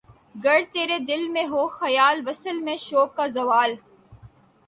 گر تیرے دل میں ہو خیال‘ وصل میں شوق کا زوال؟